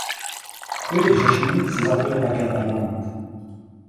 Do jejich řešení se zapojil také Parlament.